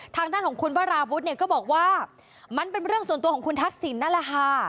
ทางด้านของคุณวราวุฒิเนี่ยก็บอกว่ามันเป็นเรื่องส่วนตัวของคุณทักษิณนั่นแหละค่ะ